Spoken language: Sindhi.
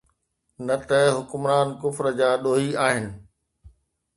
نه ته حڪمران ڪفر جا ڏوهي آهن.